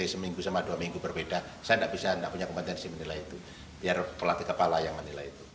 seminggu sama dua minggu berbeda saya tidak bisa menilai itu biar pelatih kepala yang menilai itu